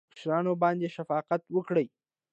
کشرانو باندې شفقت وکړئ